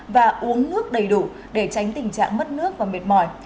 và uống nước đầy đủ để tránh tình trạng mất nước và mệt mỏi